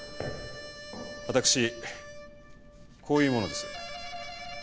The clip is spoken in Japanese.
私こういう者です。